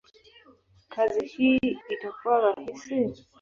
kazi hii itakuwa rahisi?